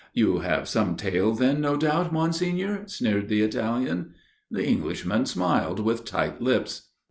" You have some tale then, no doubt, Monsignor ?" sneered the Italian. The Englishman smiled with tight lips.